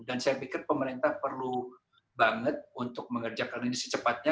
dan saya pikir pemerintah perlu banget untuk mengerjakan ini secepatnya